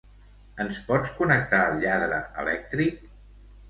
Ens pots connectar el lladre elèctric?